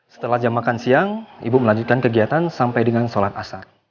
setelah jam makan siang ibu melanjutkan kegiatan sampai dengan sholat asar